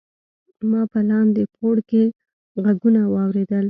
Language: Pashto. ما په لاندې پوړ کې غږونه واوریدل.